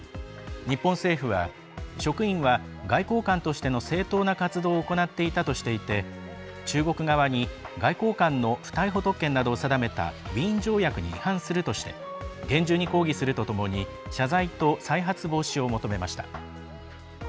日本政府は職員は外交官としての正当な活動を行っていたとしていて中国側に外交官の不逮捕特権などを定めたウィーン条約に違反するとして厳重に抗議するとともに謝罪と再発防止を求めました。